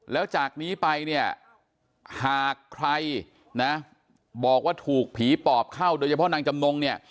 แล้วจากนี้ไปเนี่ยหากใครนะบอกว่าถูกผีปอบเข้าโดยเฉพาะนางจำนงเนี่ย